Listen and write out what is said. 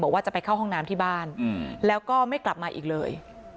บอกว่าจะไปเข้าห้องน้ำที่บ้านแล้วก็ไม่กลับมาอีกเลย